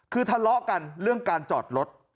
คือทะเลาะกันเรื่องการจอดรถ